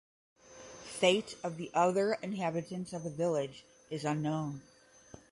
Fate of the other inhabitants of the village is unknown.